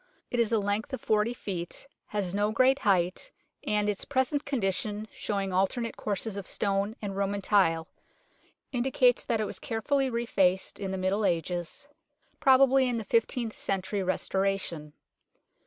It is a length of 40 feet, has no great height, and its present condition, showing alternate courses of stones and Roman tile, indicates that it was carefully refaced in the Middle Ages probably in the fifteenth century restoration.